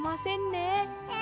え